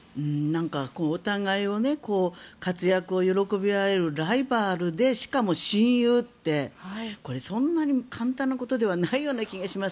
お互いの活躍を喜び合えるライバルで、しかも親友ってそんなに簡単なことではないような気がします。